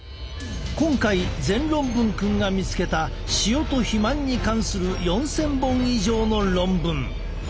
今回全論文くんが見つけた塩と肥満に関する４，０００本以上の論文。